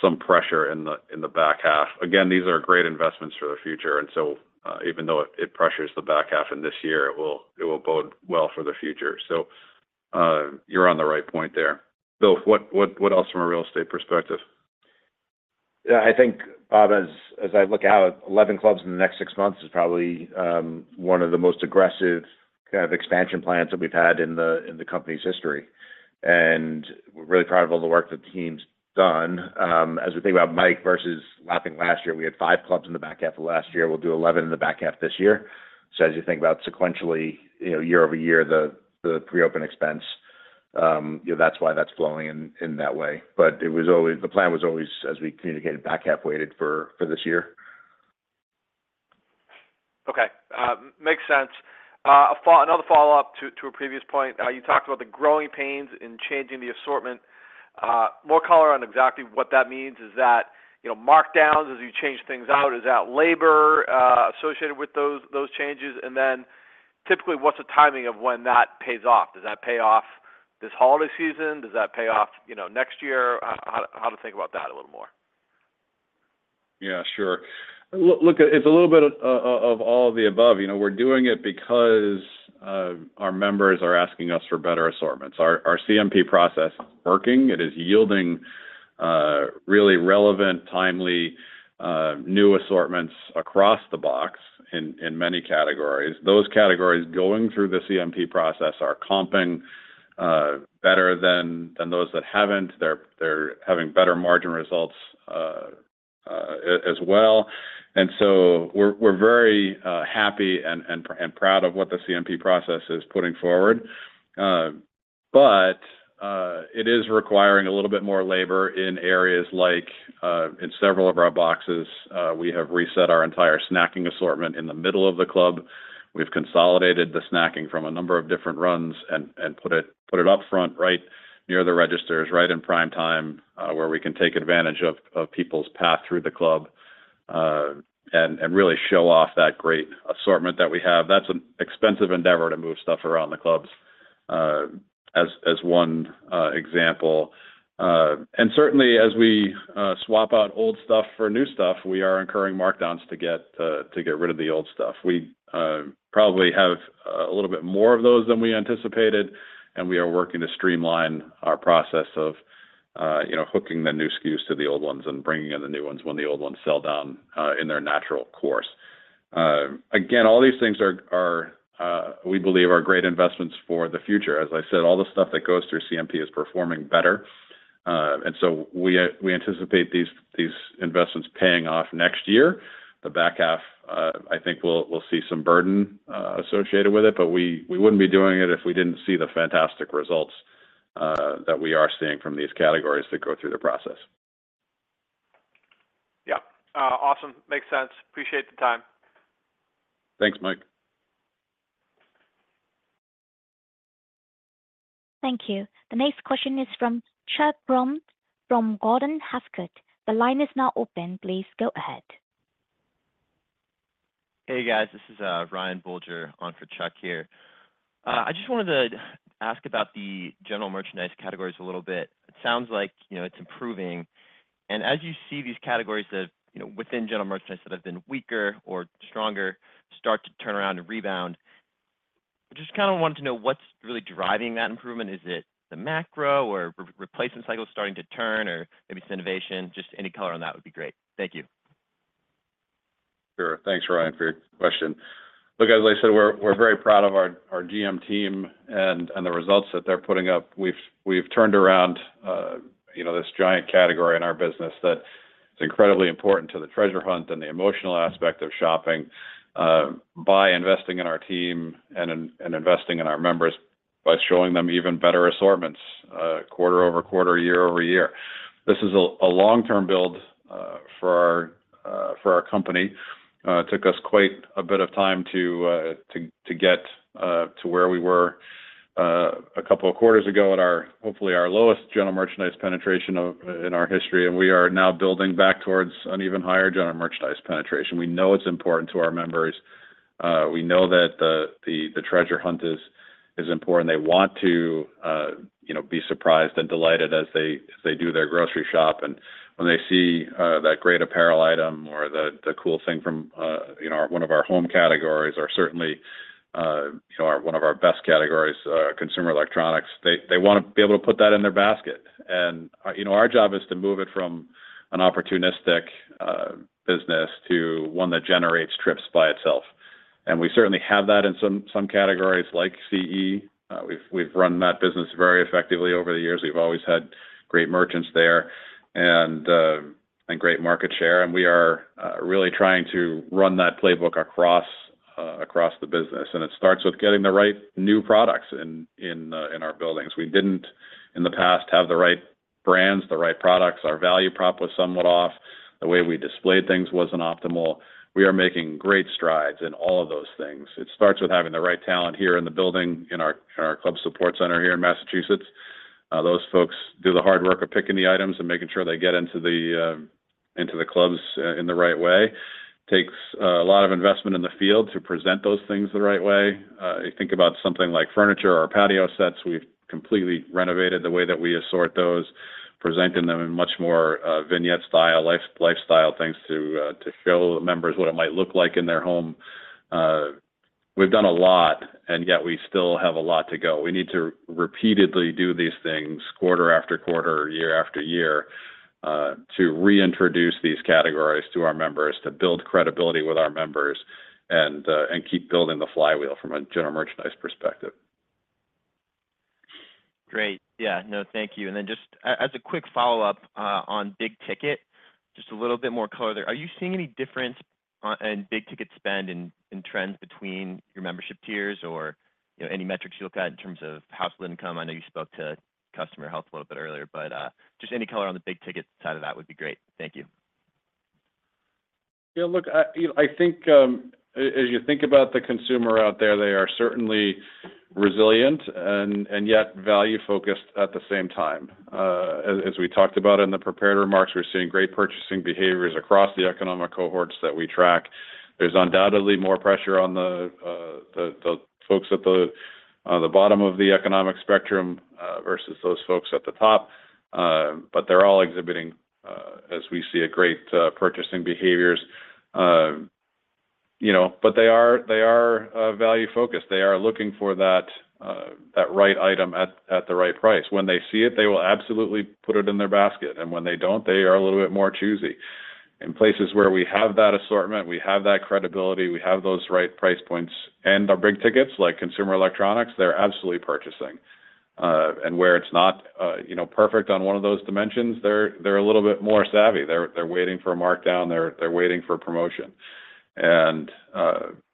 some pressure in the back half. Again, these are great investments for the future, and so even though it pressures the back half in this year, it will bode well for the future. So you're on the right point there. Bill, what else from a real estate perspective? Yeah, I think, Bob, as, as I look out, 11 clubs in the next six months is probably one of the most aggressive kind of expansion plans that we've had in the company's history, and we're really proud of all the work that the team's done. As we think about the mix versus lagging last year, we had five clubs in the back half of last year. We'll do 11 in the back half this year. So as you think about sequentially, you know, year over year, the pre-open expense. You know, that's why that's flowing in in that way. But it was always the plan was always, as we communicated, back-half weighted for this year. Okay, makes sense. Another follow-up to a previous point. You talked about the growing pains in changing the assortment. More color on exactly what that means, is that, you know, markdowns as you change things out, is that labor associated with those changes? And then typically, what's the timing of when that pays off? Does that pay off this holiday season? Does that pay off, you know, next year? How to think about that a little more? Yeah, sure. Look, it's a little bit of all the above. You know, we're doing it because our members are asking us for better assortments. Our CMP process is working. It is yielding really relevant, timely new assortments across the box in many categories. Those categories going through the CMP process are comping better than those that haven't. They're having better margin results as well. And so we're very happy and proud of what the CMP process is putting forward. But it is requiring a little bit more labor in areas like in several of our boxes we have reset our entire snacking assortment in the middle of the club. We've consolidated the snacking from a number of different runs and put it up front, right near the registers, right in prime time, where we can take advantage of people's path through the club, and really show off that great assortment that we have. That's an expensive endeavor to move stuff around the clubs, as one example, and certainly, as we swap out old stuff for new stuff, we are incurring markdowns to get rid of the old stuff. We probably have a little bit more of those than we anticipated, and we are working to streamline our process of you know, hooking the new SKUs to the old ones and bringing in the new ones when the old ones sell down in their natural course. Again, all these things are, we believe, are great investments for the future. As I said, all the stuff that goes through CMP is performing better. And so we anticipate these investments paying off next year. The back half, I think we'll see some burden associated with it, but we wouldn't be doing it if we didn't see the fantastic results that we are seeing from these categories that go through the process. Yeah. Awesome. Makes sense. Appreciate the time. Thanks, Mike. Thank you. The next question is from Chuck Grom from Gordon Haskett. The line is now open. Please go ahead. Hey, guys, this is Ryan Bolger on for Chuck here. I just wanted to ask about the general merchandise categories a little bit. It sounds like, you know, it's improving. And as you see these categories that, you know, within general merchandise that have been weaker or stronger, start to turn around and rebound, I just kinda wanted to know what's really driving that improvement. Is it the macro or replacement cycle starting to turn, or maybe it's innovation? Just any color on that would be great. Thank you. Sure. Thanks, Ryan, for your question. Look, as I said, we're very proud of our GM team and the results that they're putting up. We've turned around, you know, this giant category in our business that is incredibly important to the treasure hunt and the emotional aspect of shopping, by investing in our team and investing in our members, by showing them even better assortments, quarter over quarter, year over year. This is a long-term build for our company. It took us quite a bit of time to get to where we were a couple of quarters ago at our, hopefully, our lowest general merchandise penetration in our history. And we are now building back towards an even higher general merchandise penetration. We know it's important to our members. We know that the treasure hunt is important. They want to, you know, be surprised and delighted as they do their grocery shop. When they see that great apparel item or the cool thing from, you know, one of our home categories or certainly, you know, one of our best categories, consumer electronics, they wanna be able to put that in their basket. You know, our job is to move it from an opportunistic business to one that generates trips by itself. We certainly have that in some categories like CE. We've run that business very effectively over the years. We've always had great merchants there and, and great market share, and we are, really trying to run that playbook across the business, and it starts with getting the right new products in our buildings. We didn't, in the past, have the right brands, the right products. Our value prop was somewhat off. The way we displayed things wasn't optimal. We are making great strides in all of those things. It starts with having the right talent here in the building, in our Club Support Center here in Massachusetts. Those folks do the hard work of picking the items and making sure they get into the clubs in the right way. Takes a lot of investment in the field to present those things the right way. You think about something like furniture or patio sets. We've completely renovated the way that we assort those, presenting them in much more vignette style, lifestyle things to show members what it might look like in their home. We've done a lot, and yet we still have a lot to go. We need to repeatedly do these things quarter after quarter, year after year to reintroduce these categories to our members, to build credibility with our members, and keep building the flywheel from a general merchandise perspective. Great. Yeah. No, thank you. And then just as a quick follow-up, on big ticket, just a little bit more color there. Are you seeing any difference and big-ticket spend and trends between your membership tiers or, you know, any metrics you look at in terms of household income? I know you spoke to customer health a little bit earlier, but just any color on the big ticket side of that would be great. Thank you. Yeah, look, you know, I think, as you think about the consumer out there, they are certainly resilient and yet value-focused at the same time. As we talked about in the prepared remarks, we're seeing great purchasing behaviors across the economic cohorts that we track. There's undoubtedly more pressure on the folks at the bottom of the economic spectrum versus those folks at the top. But they're all exhibiting, as we see, great purchasing behaviors. You know, but they are value-focused. They are looking for that right item at the right price. When they see it, they will absolutely put it in their basket, and when they don't, they are a little bit more choosy. In places where we have that assortment, we have that credibility, we have those right price points, and our big tickets, like consumer electronics, they're absolutely purchasing. And where it's not, you know, perfect on one of those dimensions, they're a little bit more savvy. They're waiting for a markdown, they're waiting for a promotion. And,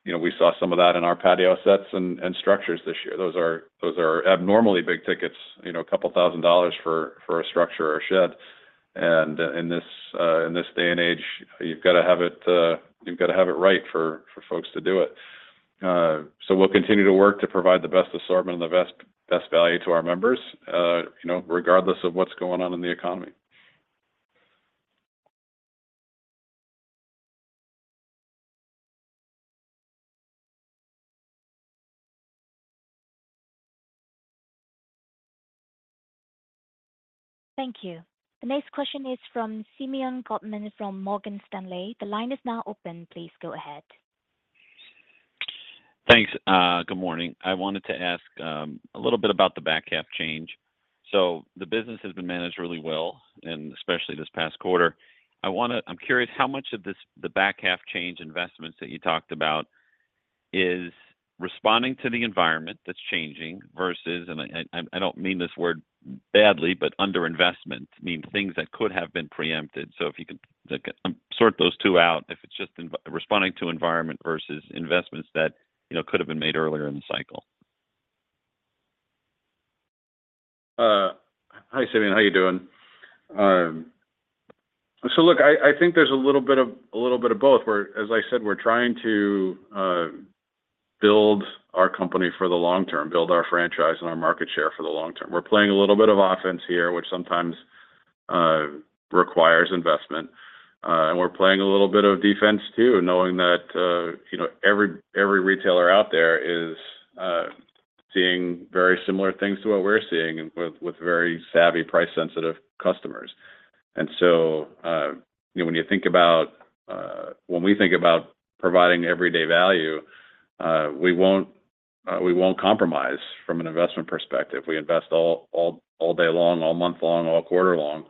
you know, we saw some of that in our patio sets and structures this year. Those are abnormally big tickets, you know, $2,000 for a structure or a shed. And in this day and age, you've got to have it, you've got to have it right for folks to do it. So we'll continue to work to provide the best assortment and the best, best value to our members, you know, regardless of what's going on in the economy. Thank you. The next question is from Simeon Gutman, from Morgan Stanley. The line is now open. Please go ahead. Thanks. Good morning. I wanted to ask a little bit about the back half change. So the business has been managed really well, and especially this past quarter. I wanna. I'm curious how much of this, the back half change investments that you talked about is responding to the environment that's changing versus, and I don't mean this word badly, but underinvestment, things that could have been preempted. So if you could, like, sort those two out, if it's just responding to environment versus investments that, you know, could have been made earlier in the cycle. Hi, Simeon. How are you doing? So look, I think there's a little bit of both, where, as I said, we're trying to build our company for the long term, build our franchise and our market share for the long term. We're playing a little bit of offense here, which sometimes requires investment, and we're playing a little bit of defense, too, knowing that, you know, every retailer out there is seeing very similar things to what we're seeing and with very savvy, price-sensitive customers. So, you know, when we think about providing everyday value, we won't compromise from an investment perspective. We invest all day long, all month long, all quarter long,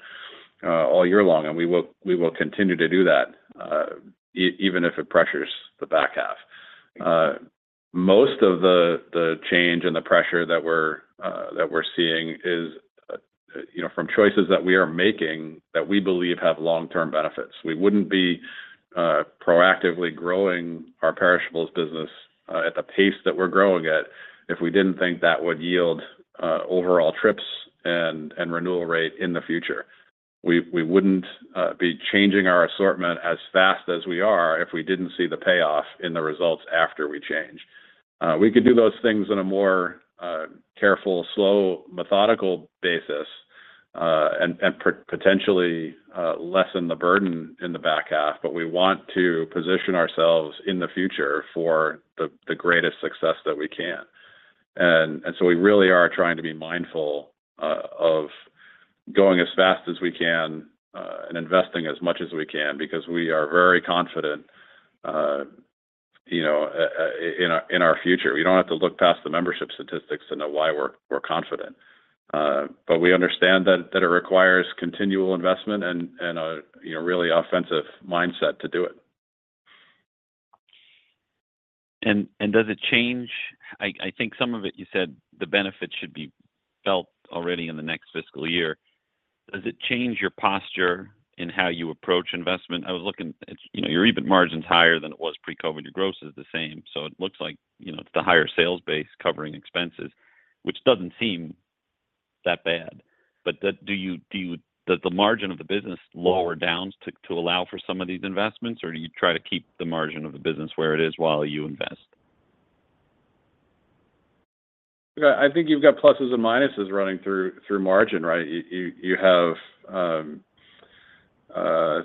all year long, and we will continue to do that, even if it pressures the back half. Most of the change and the pressure that we're seeing is, you know, from choices that we are making that we believe have long-term benefits. We wouldn't be proactively growing our perishables business at the pace that we're growing at if we didn't think that would yield overall trips and renewal rate in the future. We wouldn't be changing our assortment as fast as we are if we didn't see the payoff in the results after we change. We could do those things in a more careful, slow, methodical basis and potentially lessen the burden in the back half, but we want to position ourselves in the future for the greatest success that we can. And so we really are trying to be mindful of going as fast as we can and investing as much as we can because we are very confident, you know, in our future. We don't have to look past the membership statistics to know why we're confident. But we understand that it requires continual investment and a you know, really offensive mindset to do it. Does it change? I think some of it, you said the benefits should be felt already in the next fiscal year. Does it change your posture in how you approach investment? I was looking. You know, your EBIT margin's higher than it was pre-COVID. Your gross is the same, so it looks like, you know, it's the higher sales base covering expenses, which doesn't seem that bad. But do you? Does the margin of the business lower down to allow for some of these investments, or do you try to keep the margin of the business where it is while you invest? I think you've got pluses and minuses running through margin, right? You have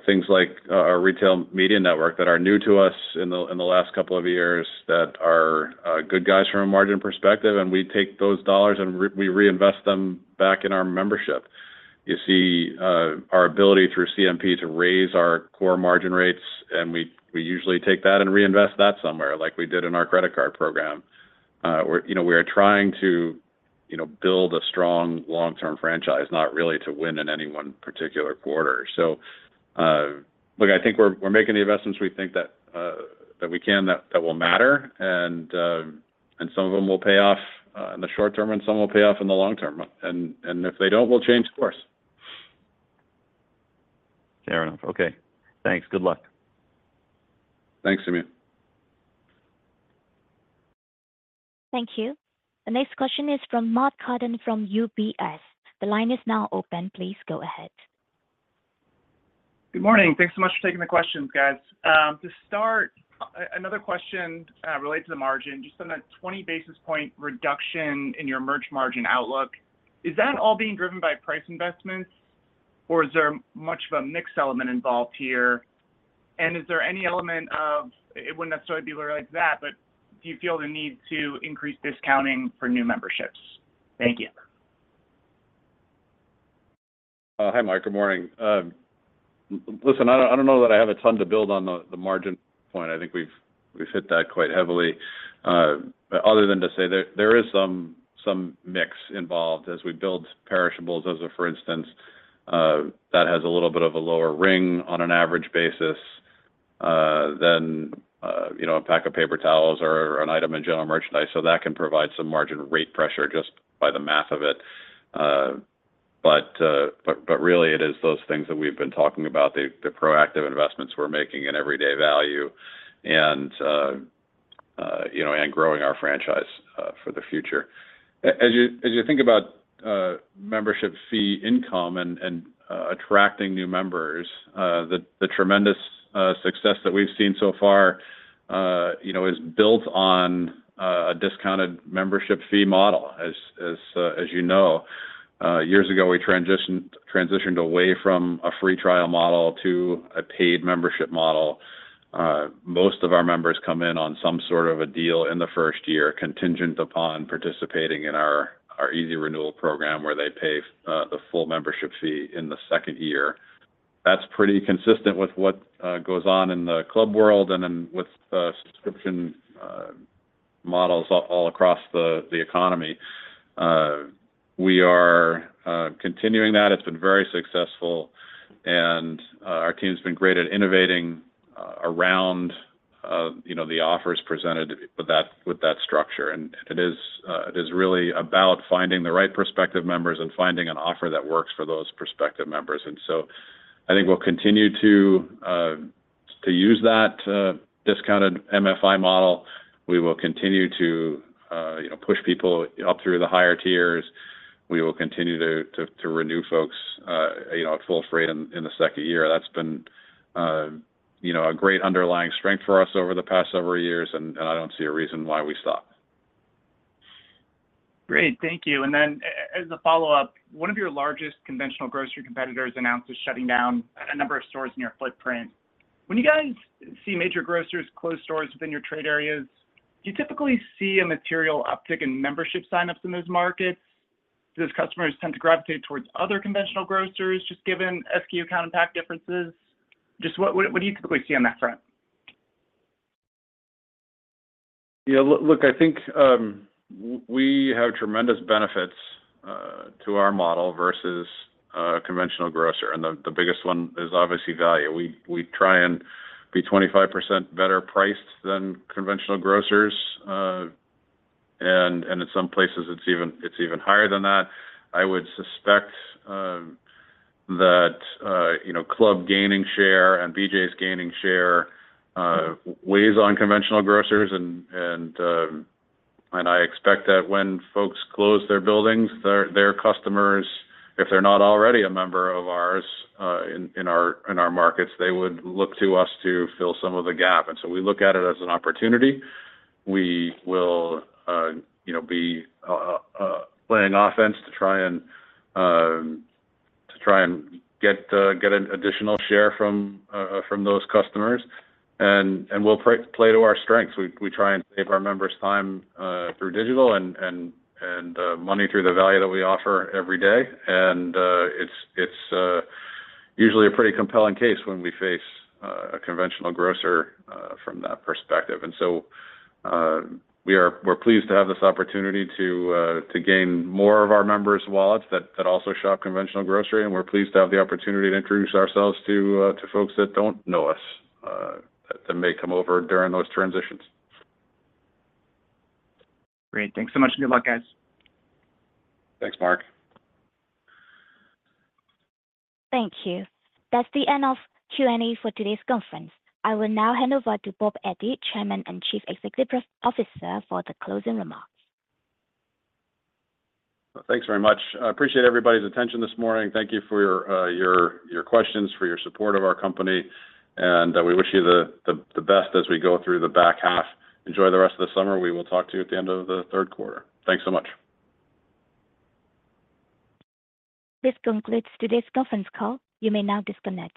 things like our retail media network that are new to us in the last couple of years that are good guys from a margin perspective, and we take those dollars, and we reinvest them back in our membership. You see our ability through CMP to raise our core margin rates, and we usually take that and reinvest that somewhere, like we did in our credit card program. We're, you know, we are trying to, you know, build a strong long-term franchise, not really to win in any one particular quarter. Look, I think we're making the investments we think that we can, that will matter, and some of them will pay off in the short term, and some will pay off in the long term, and if they don't, we'll change course.... Fair enough. Okay, thanks. Good luck. Thanks, Simeon. Thank you. The next question is from Mark Carden from UBS. The line is now open. Please go ahead. Good morning. Thanks so much for taking the questions, guys. To start, another question related to the margin. Just on that 20 basis point reduction in your merch margin outlook, is that all being driven by price investments, or is there much of a mix element involved here? And is there any element of, it wouldn't necessarily be like that, but do you feel the need to increase discounting for new memberships? Thank you. Hi, Mark. Good morning. Listen, I don't know that I have a ton to build on the margin point. I think we've hit that quite heavily. But other than to say there is some mix involved as we build perishables. As a for instance, that has a little bit of a lower ring on an average basis than you know, a pack of paper towels or an item in general merchandise. So that can provide some margin rate pressure just by the math of it. But really it is those things that we've been talking about, the proactive investments we're making in everyday value and you know, and growing our franchise for the future. As you think about membership fee income and attracting new members, the tremendous success that we've seen so far, you know, is built on a discounted membership fee model. As you know, years ago, we transitioned away from a free trial model to a paid membership model. Most of our members come in on some sort of a deal in the first year, contingent upon participating in our Easy Renewal program, where they pay the full membership fee in the second year. That's pretty consistent with what goes on in the club world and then with subscription models all across the economy. We are continuing that. It's been very successful, and our team's been great at innovating around you know the offers presented with that, with that structure. It is really about finding the right prospective members and finding an offer that works for those prospective members. So I think we'll continue to use that discounted MFI model. We will continue to you know push people up through the higher tiers. We will continue to renew folks you know at full freight in the second year. That's been you know a great underlying strength for us over the past several years, and I don't see a reason why we stop. Great. Thank you. And then as a follow-up, one of your largest conventional grocery competitors announced it's shutting down a number of stores in your footprint. When you guys see major grocers close stores within your trade areas, do you typically see a material uptick in membership sign-ups in those markets? Do those customers tend to gravitate towards other conventional grocers, just given SKU count and pack differences? Just what do you typically see on that front? Yeah, look, I think, we have tremendous benefits to our model versus conventional grocer, and the biggest one is obviously value. We try and be 25% better priced than conventional grocers, and in some places, it's even higher than that. I would suspect that you know, club gaining share and BJ's gaining share weighs on conventional grocers, and I expect that when folks close their buildings, their customers, if they're not already a member of ours in our markets, they would look to us to fill some of the gap. And so we look at it as an opportunity. We will, you know, be playing offense to try and get an additional share from those customers, and we'll play to our strengths. We try and save our members time through digital and money through the value that we offer every day, and it's usually a pretty compelling case when we face a conventional grocer from that perspective. And so, we're pleased to have this opportunity to gain more of our members' wallets that also shop conventional grocery, and we're pleased to have the opportunity to introduce ourselves to folks that don't know us that may come over during those transitions. Great. Thanks so much, and good luck, guys. Thanks, Mark. Thank you. That's the end of Q&A for today's conference. I will now hand over to Bob Eddy, Chairman and Chief Executive Officer, for the closing remarks. Thanks very much. I appreciate everybody's attention this morning. Thank you for your questions, for your support of our company, and we wish you the best as we go through the back half. Enjoy the rest of the summer. We will talk to you at the end of the third quarter. Thanks so much. This concludes today's conference call. You may now disconnect.